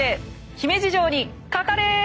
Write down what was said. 姫路城にかかれ！